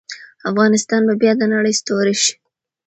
افغانستان به بیا د نړۍ ستوری شي.